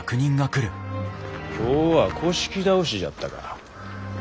今日は倒しじゃったか。